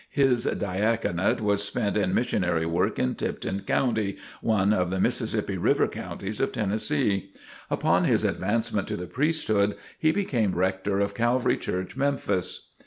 His diaconate was spent in missionary work in Tipton County, one of the Mississippi River counties of Tennessee. Upon his advancement to the priesthood he became rector of Calvary Church, Memphis.